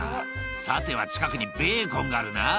「さては近くにベーコンがあるな？」